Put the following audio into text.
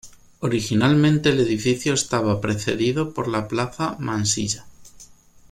Originalmente el edificio estaba precedido por la Plaza Mansilla.